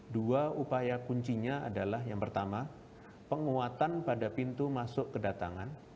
dua upaya kuncinya adalah yang pertama penguatan pada pintu masuk kedatangan